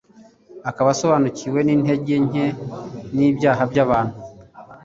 akaba asobanukiwe n’intege nke n’ibyaha by’abantu;